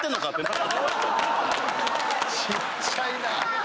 ちっちゃいな！